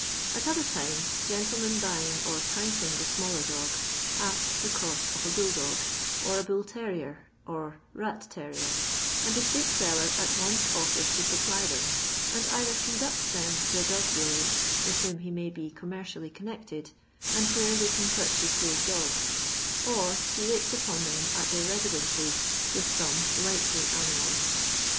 At other times, gentlemen buying or pricing the smaller dogs, ask the cost of a bull dog, or a bull terrier or rat terrier, and the street seller at once offers to supply them, and either conducts them to a dog dealer's, with whom he may be commercially connected, and where they can purchase those dogs, or he waits upon them at their residences with some "likely animals."